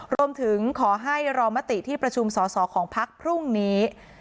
รวมถึงขอให้รอมติที่ประชุมสอสอของพักพรุ่งนี้